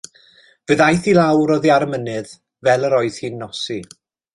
Fe ddaeth i lawr oddi ar y mynydd fel yr oedd hi'n nosi.